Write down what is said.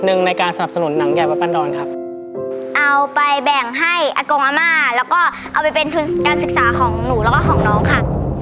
เอาไปแบ่งให้อักโกงอาม่าแล้วก็เอาไปเป็นทุนการศึกษาของหนูแล้วก็ของน้องค่ะ